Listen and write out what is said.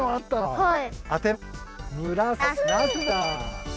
はい！